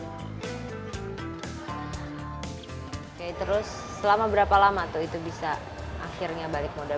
oke terus selama berapa lama tuh itu bisa akhirnya balik modal